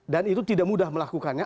dan itu tidak mudah melakukannya